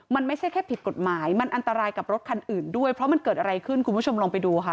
มันไม่ใช่แค่ผิดกฎหมายมันอันตรายกับรถคันอื่นด้วยเพราะมันเกิดอะไรขึ้นคุณผู้ชมลองไปดูค่ะ